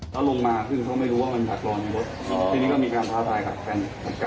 ถ้าลงมาคือเขาไม่รู้ว่ามันดักรอนในรถ